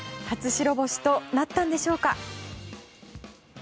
初白星となったんでしょうか。